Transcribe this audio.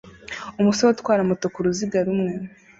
Umusore utwara moto ku ruziga rumwe